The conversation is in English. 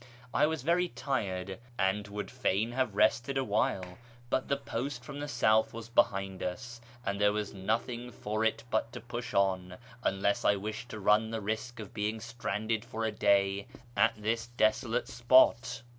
I was very tired and would fain have rested a while, but the post from the south was behind us, and there was nothing for it but to push on, unless I wished to run the risk of being stranded for a day at this desolate sj^ot.